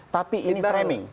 tapi ini framing